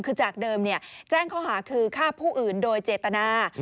คือจากเดิมแจ้งข้อหาคือฆ่าผู้อื่นโดยเจตนา